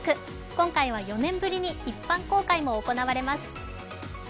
今回は４年ぶりに一般公開も行われます。